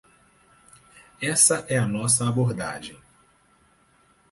Essa é a nossa abordagem.